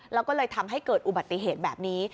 แล้วก็เลยทำให้เกิดอุบัติเหตุแบบนี้